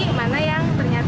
yang mana yang ternyata